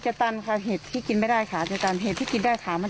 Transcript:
ตันค่ะเห็ดที่กินไม่ได้ขาจะตันเห็ดที่กินได้ขามัน